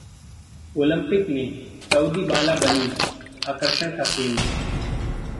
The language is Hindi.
ओलम्पिक में सऊदी बाला बनी आकर्षण का केंद्र